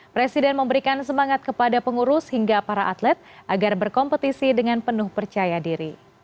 presiden memberikan semangat kepada pengurus hingga para atlet agar berkompetisi dengan penuh percaya diri